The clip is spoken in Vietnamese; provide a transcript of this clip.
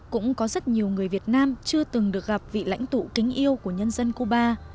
cũng có rất nhiều người việt nam chưa từng được gặp vị lãnh tụ kính yêu của nhân dân cuba